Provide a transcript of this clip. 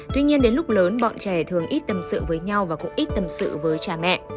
tuy nhiên đến lúc lớn bọn trẻ thường ít tâm sự với nhau và cũng ít tâm sự với cha mẹ